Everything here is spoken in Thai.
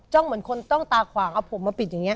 เหมือนคนต้องตาขวางเอาผมมาปิดอย่างนี้